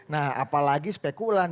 nah apalagi spekulan